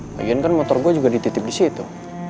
lagian kan motor gue juga dititip disitu